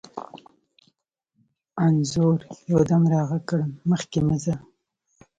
انځور یو دم را غږ کړ: مخکې مه ځه.